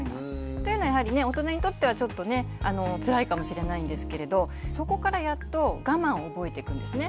というのはやはりね大人にとってはちょっとねつらいかもしれないんですけれどそこからやっと我慢を覚えていくんですね。